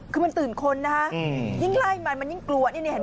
คือมันตื่นคนนะฮะยิ่งไล่มันมันยิ่งกลัวนี่เห็นไหม